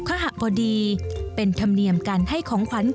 โดยเริ่มจากชนชั้นเจ้านายมาอย่างเหล่าขภพดีเป็นธรรมเนียมการให้ของขวัญแก่กัน